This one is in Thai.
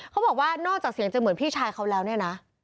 เขาบอกว่านอกจากเสียงจะเหมือนพี่ชายเขาแล้วเนี่ยนะ